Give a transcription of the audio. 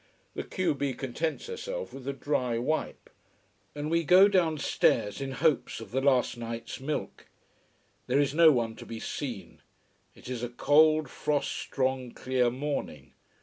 The q b contents herself with a dry wipe. And we go downstairs in hopes of the last night's milk. There is no one to be seen. It is a cold, frost strong, clear morning.